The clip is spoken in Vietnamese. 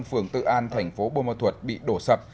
phường tự an thành phố bô mơ thuật bị đổ sập